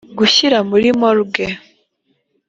gushyira muri moruge